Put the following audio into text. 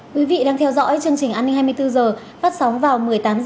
quý vị đang theo dõi chương trình an ninh hai mươi bốn h phát sóng vào một mươi tám h